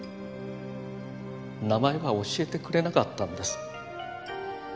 名前は教えてくれなかったんです。